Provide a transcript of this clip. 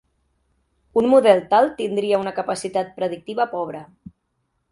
Un model tal tindria una capacitat predictiva pobre.